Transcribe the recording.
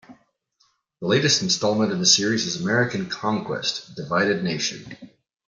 The latest installment in the series is "American Conquest: Divided Nation".